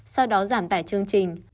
sau đó giảm tải chương trình